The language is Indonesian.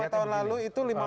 lima tahun lalu itu lima orang